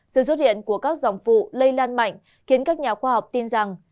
sự xuất hiện của các dòng phụ lây lan mạnh khiến các nhà khoa học tin rằng